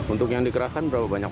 untuk yang dikerahkan berapa banyak